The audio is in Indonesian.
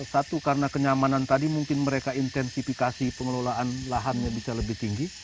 satu karena kenyamanan tadi mungkin mereka intensifikasi pengelolaan lahannya bisa lebih tinggi